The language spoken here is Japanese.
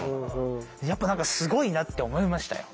やっぱ何かすごいなって思いましたよ。